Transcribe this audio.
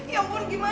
ya ampun gimana